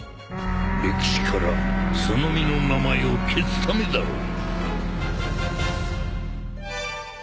歴史からその実の名前を消すためだろう！？